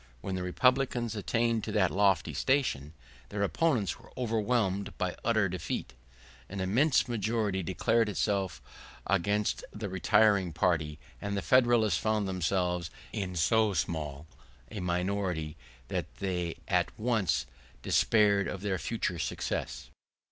When the Republicans attained to that lofty station, their opponents were overwhelmed by utter defeat. An immense majority declared itself against the retiring party, and the Federalists found themselves in so small a minority that they at once despaired of their future success.